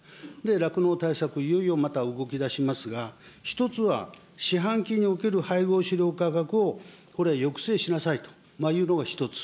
酪農対策、いよいよまた動きだしますが、１つは、四半期における配合飼料価格をこれ、抑制しなさいというのが１つ。